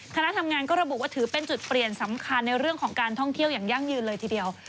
คณะทำงานก็ระบุว่าถือเป็นจุดเปลี่ยนสำคัญในเรื่องของการท่องเที่ยวอย่างยั่งยืนเลยทีเดียว